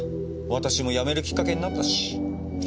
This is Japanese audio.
私も辞めるきっかけになったし。